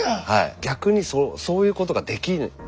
逆にそういうことができない。